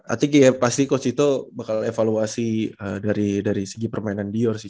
artinya ya pasti coach ito bakal evaluasi dari segi permainan dior sih